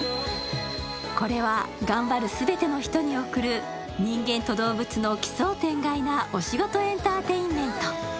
これは頑張る全ての人に送る人間と動物の奇想天外なお仕事エンターテインメント。